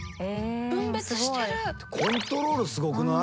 コントロールスゴくない？